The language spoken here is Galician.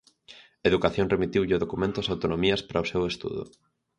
Educación remitiulle o documento as autonomías para o seu estudo.